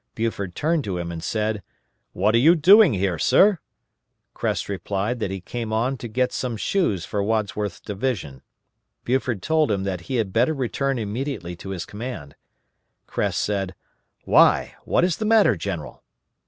Buford turned to him and said, "What are you doing here, sir?" Kress replied that he came on to get some shoes for Wadsworth's division. Buford told him that he had better return immediately to his command. Kress said, "Why, what is the matter, general?"